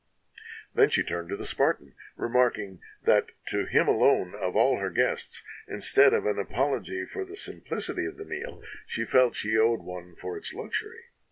Then she turned to the Spartan, remarking, that to him alone of all her guests, instead of an apology for the simplicity of the meal, she felt she owed one for its luxury.